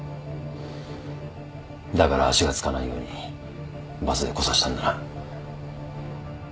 だから足がつかないようにバスで来させたんだな。